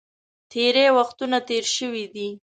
تېرې وختونه تېر شوي دي.